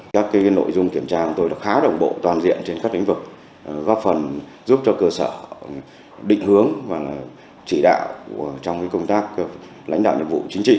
các nội dung kiểm tra của tôi khá đồng bộ toàn diện trên các lĩnh vực góp phần giúp cho cơ sở định hướng và chỉ đạo trong công tác lãnh đạo nhiệm vụ chính trị